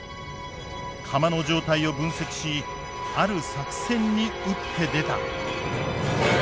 釜の状態を分析しある作戦に打って出た。